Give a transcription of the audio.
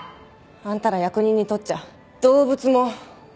あんたら役人にとっちゃ動物もモノなんだろ？